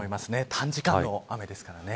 短時間の雨ですからね。